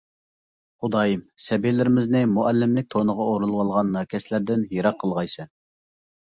خۇدايىم سەبىيلىرىمىزنى «مۇئەللىم» لىك تونىغا ئورىنىۋالغان ناكەسلەردىن يىراق قىلغايسەن.